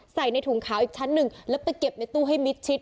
ใส่ในถุงขาวอีกชั้นหนึ่งแล้วไปเก็บในตู้ให้มิดชิด